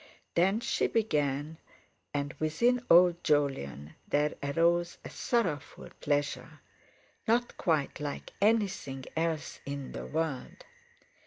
Then she began and within old Jolyon there arose a sorrowful pleasure, not quite like anything else in the world.